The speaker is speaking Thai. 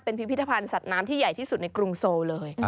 พิพิธภัณฑ์สัตว์น้ำที่ใหญ่ที่สุดในกรุงโซเลย